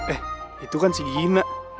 eh itu kan si gina